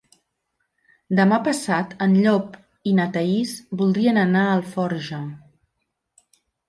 Demà passat en Llop i na Thaís voldrien anar a Alforja.